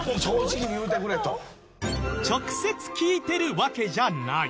直接聞いてるわけじゃない！